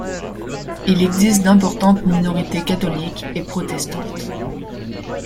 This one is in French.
Il existe d'importantes minorités catholique et protestante.